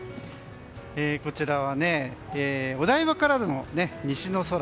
こちらはお台場からの西の空。